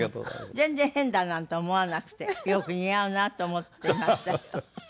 全然変だなんて思わなくてよく似合うなと思っていましたけど。